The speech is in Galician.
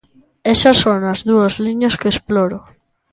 Esas son as dúas liñas que exploro.